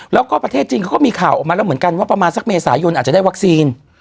แล้วก็ประเทศจีนเขาก็มีข่าวออกมาแล้วเหมือนกันว่าประมาณสักเมษายนอาจจะได้วัคซีน